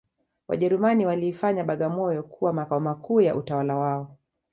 Wajerumani waliifanya bagamoyo kuwa makao makuu ya utawala wao